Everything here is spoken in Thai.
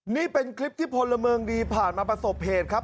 นี่เป็นคลิปที่พลเมืองดีผ่านมาประสบเหตุครับ